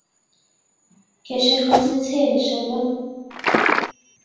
کێشەی خەوتنت هەیە لە شەودا؟